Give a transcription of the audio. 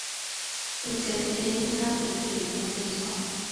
我们前几天应该会去一趟剑桥